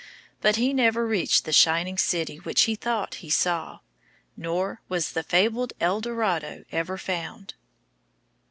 But he never reached the shining city which he thought he saw, nor was the fabled El Dorado ever found.